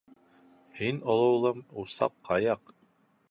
— Һин, оло улым, усаҡҡа яҡ!